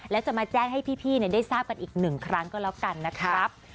แล้วจะมาแจ้งให้พี่ได้ทราบกันอีกหนึ่งครั้งก็แล้วกันนะครับ